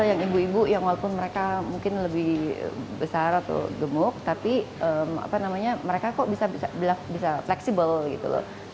ada ribu yang walaupun mereka mungkin lebih besar atau gemuk tapi mereka kok bisa fleksibel